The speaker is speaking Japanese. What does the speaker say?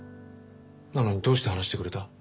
なのにどうして話してくれた？